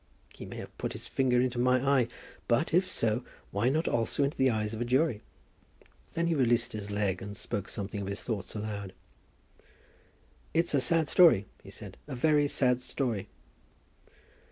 He may have put his finger into my eye; but, if so, why not also into the eyes of a jury?" Then he released his leg, and spoke something of his thoughts aloud. "It's a sad story," he said; "a very sad story."